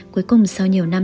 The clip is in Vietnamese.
cuối cùng sau nhiều năm